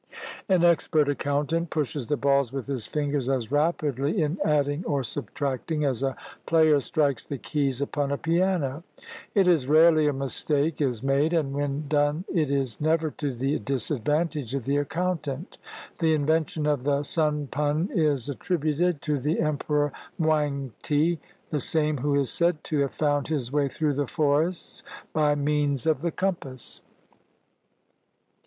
An expert accountant pushes the balls with his fingers as rapidly in adding or subtracting as a player strikes the keys upon a piano. It is rarely a mistake is made, and when done it is never to the disadvantage of the accountant. The invention of the siin pun is attrib uted to the Emperor Mwang ti, the same who is said to have found his way through the forests by means of the compass.